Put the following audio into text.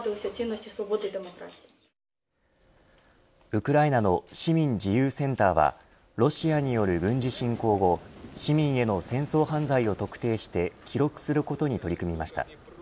ウクライナの市民自由センターはロシアによる軍事侵攻後市民への戦争犯罪を特定して記録することに取り組みました。